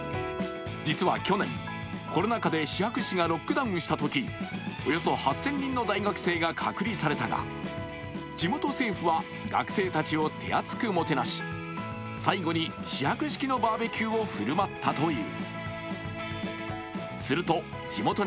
実は去年、コロナ禍でシ博市がロックダウンしたときにおよそ８０００人の大学生が隔離されたが、地元政府は学生たちを手厚くもてなし最後にシ博式のバーベキューを振る舞ったという。